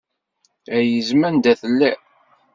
Ay izem anda telliḍ.